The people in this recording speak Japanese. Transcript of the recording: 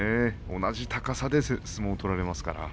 同じ高さで相撲を取られますから。